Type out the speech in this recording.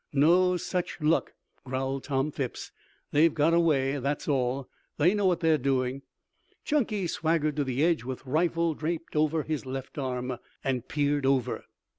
"No such luck," growled Tom Phipps. "They've got away, that's all. They know what they're doing." Chunky swaggered to the edge with rifle dropped over his left arm, and peered over.